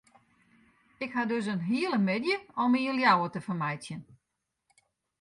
Ik ha dus in hiele middei om my yn Ljouwert te fermeitsjen.